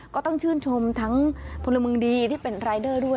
ก็ต้องชื่นชมทั้งพลเมืองดีที่เป็นรายเดอร์ด้วย